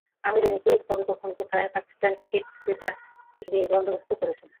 আমি জানি কে, কবে, কখন, কোথায় পাকিস্তান ক্রিকেটকে বেচা-বিক্রির বন্দোবস্ত করেছে।